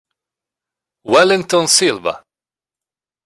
Wellington Silva